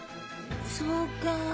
そうか。